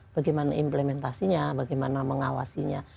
bagaimana implementasinya bagaimana mengawasinya